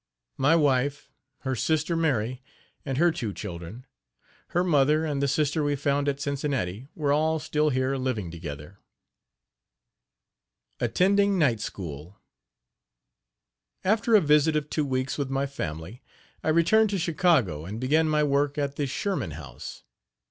My wife, her sister Mary and her two children, her mother and the sister we found at Cincinnati were all still here living together. ATTENDING NIGHT SCHOOL. After a visit of two weeks with my family, I returned to Chicago, and began my work at the Sherman House.